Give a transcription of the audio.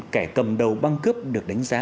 kẻ cầm đầu băng cướp được đánh giá